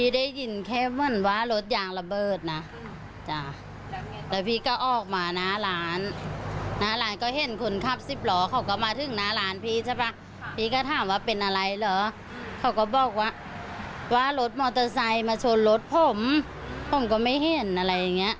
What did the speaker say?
รถมอเตอร์ไซด์มาชนรถผมผมก็ไม่เห็นอะไรอย่างเงี้ย